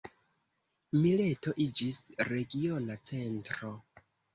Mileto iĝis regiona centro.